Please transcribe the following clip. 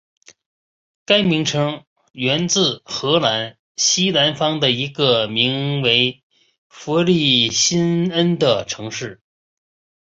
该名称源自荷兰西南方的一个名为弗利辛恩的城市。